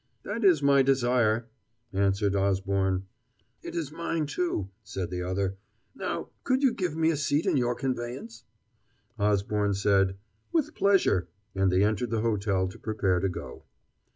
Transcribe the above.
"That is my desire," answered Osborne. "It is mine, too," said the other; "now, could you give me a seat in your conveyance?" Osborne said, "With pleasure," and they entered the hotel to prepare to go.